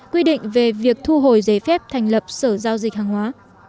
quy định về việc thu hồi giấy phép thành lập sở giao dịch hàng hóa